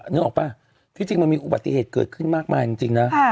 นึกออกป่ะที่จริงมันมีอุบัติเหตุเกิดขึ้นมากมายจริงนะ